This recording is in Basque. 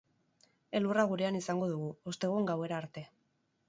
Elurra gurean izango dugu, ostegun gauera arte.